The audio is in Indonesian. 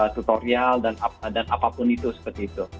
tutorial dan apapun itu seperti itu